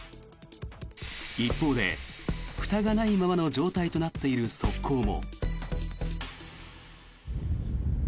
一方でふたがないままの状態となっている側溝も。